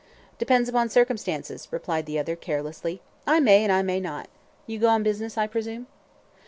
"Depends upon circumstances," replied the other carelessly. "I may and I may not. You go on business, I presume?"